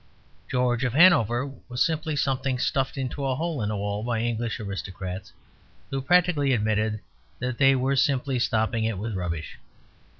George of Hanover was simply something stuffed into a hole in the wall by English aristocrats, who practically admitted that they were simply stopping it with rubbish.